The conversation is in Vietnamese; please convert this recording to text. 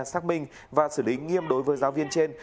xác minh và xử lý nghiêm đối với giáo viên trên